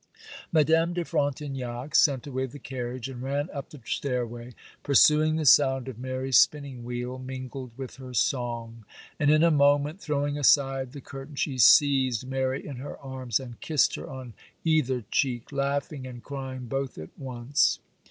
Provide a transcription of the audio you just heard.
Madame de Frontignac sent away the carriage, and ran up the stairway, pursuing the sound of Mary's spinning wheel, mingled with her song; and in a moment, throwing aside the curtain, she seized Mary in her arms, and kissed her on either cheek, laughing and crying both at once.